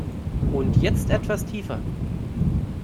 Und jetzt etwas tiefer!